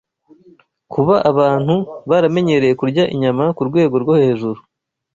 Kuba abantu baramenyereye kurya inyama ku rwego rwo hejuru,